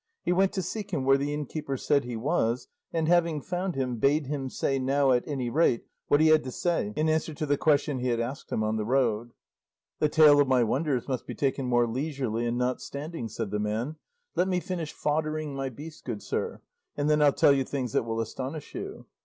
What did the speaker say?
He went to seek him where the innkeeper said he was and having found him, bade him say now at any rate what he had to say in answer to the question he had asked him on the road. "The tale of my wonders must be taken more leisurely and not standing," said the man; "let me finish foddering my beast, good sir; and then I'll tell you things that will astonish you."